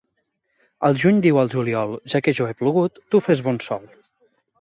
El juny diu al juliol: ja que jo he plogut, tu fes bon sol.